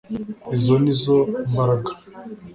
izo ni zo mbaraga